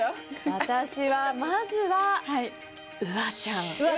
私はまずはウアちゃん。